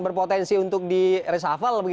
berpotensi untuk diresafal